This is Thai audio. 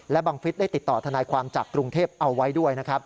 และบังฤษภิกษ์ได้ติดต่อธนายความจับกรุงเทพฯเอาไว้ด้วยนะครับ